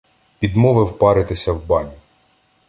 Підмовив паритися в баню...